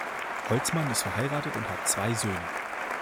Holzmann ist verheiratet und hat zwei Söhne.